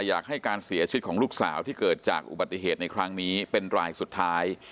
อยากให้การเสียชีวิตของลูกสาวที่เกิดจากอุบัติเหตุในครั้งนี้เป็นรายสุดท้าย